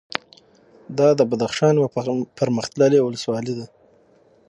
دا د بدخشان یوه پرمختللې ولسوالي ده